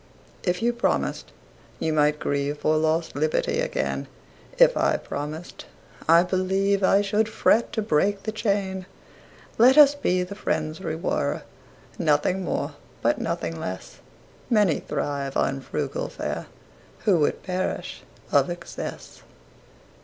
If you promised, you might grieveFor lost liberty again:If I promised, I believeI should fret to break the chain. Let us be the friends we were, Nothing more but nothing less:Many thrive on frugal fareWho would perish of excess.